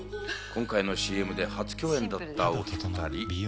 今回のＣＭで初共演だったお２人。